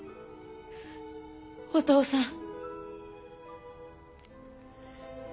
お父さん。